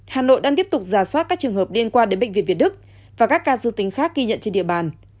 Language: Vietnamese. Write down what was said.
hà nội đang tiếp tục giả soát các trường hợp liên quan đến bệnh viện việt đức và các ca dương tính khác ghi nhận trên địa bàn